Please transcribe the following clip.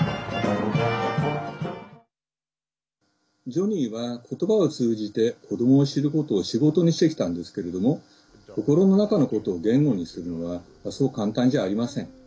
ジョニーは、ことばを通じて子どもを知ることを仕事にしてきたんですけれども心の中のことを言語にするのはそう簡単じゃありません。